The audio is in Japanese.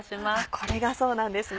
これがそうなんですね。